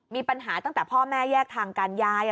มีปัญหาตั้งแต่พ่อแม่แยกทางกันยาย